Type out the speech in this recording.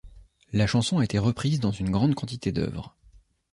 La chanson a été reprise dans une grande quantité d’œuvres.